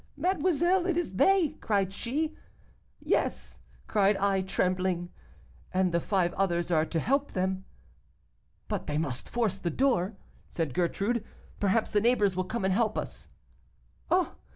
mademoiselle; it is they,' cried she. 'Yes,' cried I, trembling, 'and the five others are to help them.' 'But they must force the door,' said Gertrude, 'perhaps the neighbors will come and help us.' 'Oh!